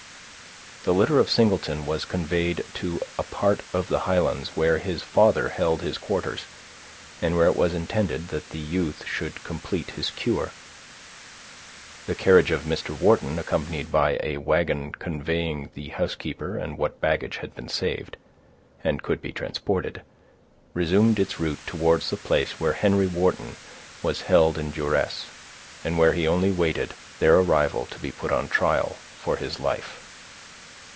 The litter of Singleton was conveyed to a part of the Highlands where his father held his quarters, and where it was intended that the youth should complete his cure; the carriage of Mr. Wharton, accompanied by a wagon conveying the housekeeper and what baggage had been saved, and could be transported, resumed its route towards the place where Henry Wharton was held in duress, and where he only waited their arrival to be put on trial for his life.